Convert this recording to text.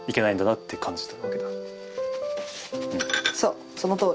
そうそのとおり。